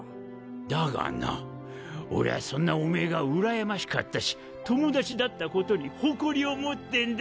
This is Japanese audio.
だがな俺はそんなおめぇがうらやましかったし友達だったことに誇りを持ってんだ！